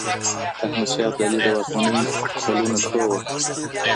د احمد شاه ابدالي د واکمنۍ کلونه څو وو؟